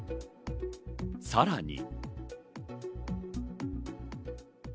さらに。